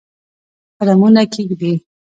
قدمونه کښېږدي